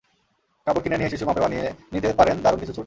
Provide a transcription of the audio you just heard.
কাপড় কিনে নিয়ে শিশুর মাপে বানিয়ে নিতে পারেন দারুণ কিছু স্যুট।